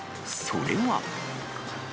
それは。